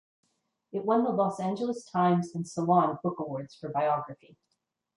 It won the "Los Angeles Times" and "Salon" Book Awards for Biography.